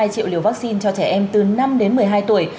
hai mươi hai triệu liều vắc xin cho trẻ em từ năm đến một mươi hai tuổi